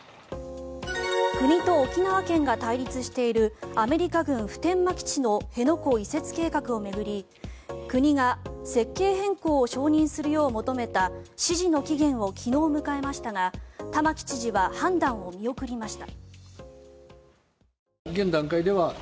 国と沖縄県が対立しているアメリカ軍普天間基地の辺野古移設計画を巡り国が設計変更を承認するよう求めた指示の期限を昨日迎えましたが玉城知事は判断を見送りました。